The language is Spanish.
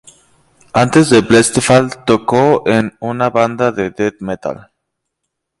Antes de Blessthefall, tocó en una banda de death metal.